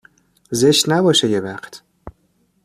زشت نباشه یک وقت